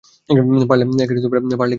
পারলে কীভাবে?